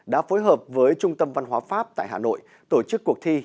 đã phối hợp với trung tâm văn hóa pháp tại hà nội tổ chức cuộc thi